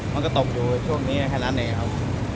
มันก็ตกอยู่ช่วงนี้แค่นั้นเองครับ